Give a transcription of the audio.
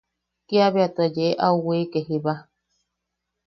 Kiabea tua yee au wike jiba.